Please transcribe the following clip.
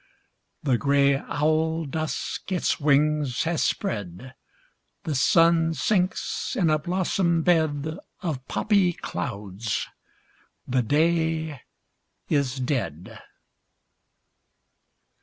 The gray owl Dusk its wings has spread ; The sun sinks in a blossom bed Of poppy clouds ; the day is dead.